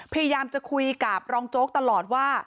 พยายามจะคุยกับรองโจ๊กตลอดว่า